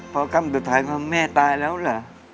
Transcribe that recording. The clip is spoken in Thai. พอค่ำสุดท้ายแม่ตายแล้วเหรอ